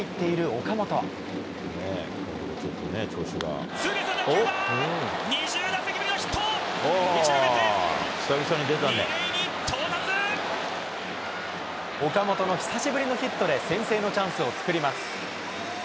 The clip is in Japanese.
岡本の久しぶりのヒットで、先制のチャンスを作ります。